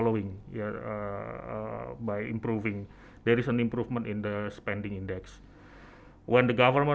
dengan meningkatkan ada peningkatan di indeks penggunaan